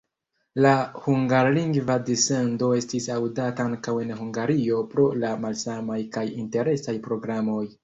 La hungarlingva dissendo estis aŭdata ankaŭ en Hungario pro la malsamaj kaj interesaj programoj.